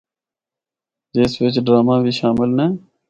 جس وچ ڈرامہ وی شامل نے۔